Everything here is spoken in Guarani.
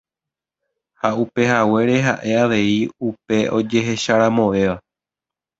Ha upehaguére ha'e avei upe ojehecharamovéva.